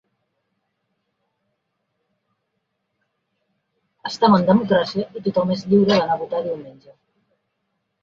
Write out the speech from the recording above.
Estam en democràcia i tothom és lliure d’anar a votar diumenge.